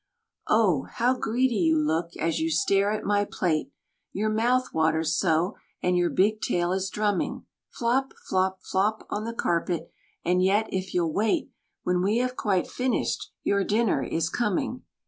Oh, how greedy you look as you stare at my plate, Your mouth waters so, and your big tail is drumming Flop! flop! flop! on the carpet, and yet if you'll wait, When we have quite finished, your dinner is coming.